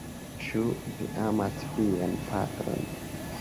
Ĉu vi amas vian patron?